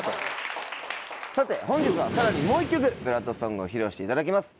さて本日はさらにもう１曲ＢＬＯＯＤＳＯＮＧを披露していただきます。